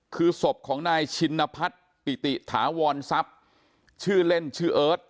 คือศพของนายชินพัฒน์ปิติถาวรทรัพย์ชื่อเล่นชื่อเอิร์ท